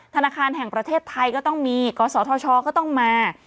ธนาคารแห่งประเทศไทยก็ต้องมีกศธชก็ต้องมา